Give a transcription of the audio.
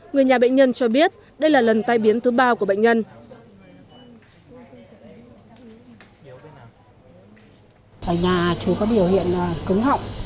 người nhà bệnh nhân cho biết đây là lần tai biến thứ ba của bệnh nhân